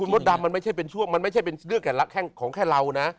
มดดำมันไม่ใช่เป็นช่วงมันไม่ใช่เป็นเรื่องของแค่เรานะ